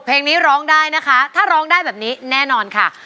เพลงนี้ร้องได้นะคะถ้าร้องได้แบบนี้แน่นอนค่ะ